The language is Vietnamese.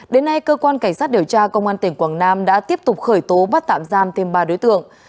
đến nay cơ quan cảnh sát điều tra công an tỉnh quảng nam đã tiếp tục khởi tố bắt tạm giam thêm ba đối tượng